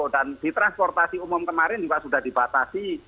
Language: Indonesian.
dan di transportasi umum kemarin juga sudah dibatasi